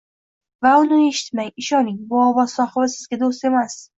va uni eshitmang. Ishoning, bu ovoz sohibi sizga do‘st emas.